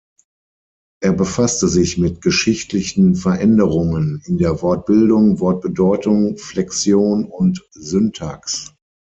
Er befasste sich mit geschichtlichen Veränderungen in der Wortbildung, Wortbedeutung, Flexion und Syntax.